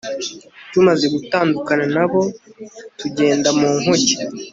tumaze gutandukana na bo tugenda mu nkuge